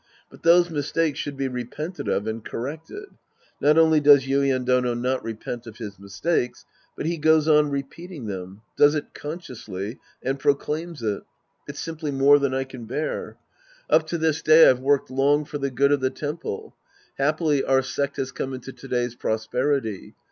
But those mistakes should be repented of and corrected. Not only does Yuien Dono not repent of his mistakes, but he goes on repeating them, does it consciously, and proclaims it. It's simply more than I can bear. tJp to this 200 The Priest and His Disciples Act V day I've worked long for the good of the temple. Happily our sect has come into to day's prosperity.